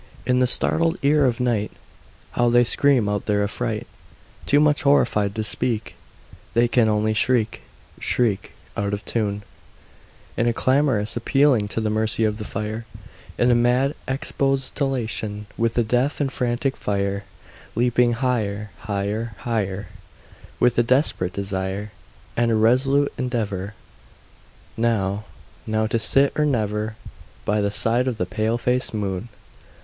In the startled ear of night How they scream out their affright! Too much horrified to speak, They can only shriek, shriek, Out of tune, In a clamorous appealing to the mercy of the fire, In a mad expostulation with the deaf and frantic fire, Leaping higher, higher, higher, With a desperate desire, And a resolute endeavor Now—now to sit, or never, By the side of the pale faced moon.